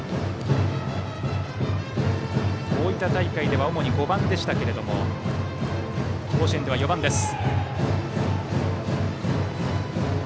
大分大会では主に５番でしたが甲子園では４番です。